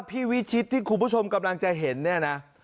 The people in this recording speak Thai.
พี่วิชิตที่คุณผู้ชมกำลังจะเห็น